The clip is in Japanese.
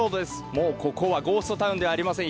もうここはゴーストタウンではありません。